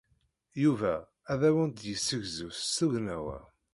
Yuba ad awent-d-yessegzu s tugna-a.